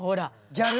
ギャル。